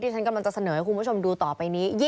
ฉันกำลังจะเสนอให้คุณผู้ชมดูต่อไปนี้